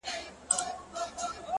لكه د مور چي د دعا خبر په لپه كــي وي،